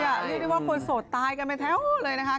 เรียกได้ว่าคนโสดตายกันไปแท้วเลยนะคะ